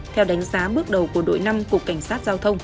theo đánh giá bước đầu của đội năm cục cảnh sát